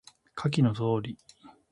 下記の通り